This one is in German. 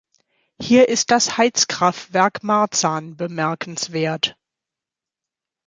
Hier ist das Heizkraftwerk Marzahn bemerkenswert.